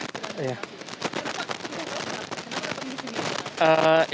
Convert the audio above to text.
kenapa kebuka buka kenapa kembali ke sini